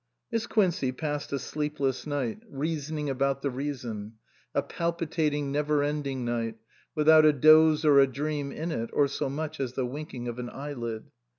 Miss Quincey passed a sleepless night reason 279 SUPERSEDED ing about the reason, a palpitating never ending night, without a doze or a dream in it or so much as the winking of an eyelid.